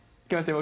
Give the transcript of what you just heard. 僕。